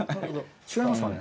違いますかね？